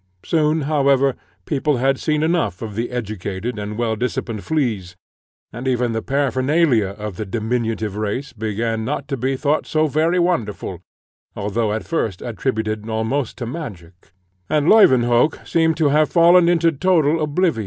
Soon, however, people had seen enough of the educated and well disciplined fleas; and even the paraphernalia of the diminutive race began not to be thought so very wonderful, although at first attributed almost to magic, and Leuwenhock seemed to have fallen into total oblivion.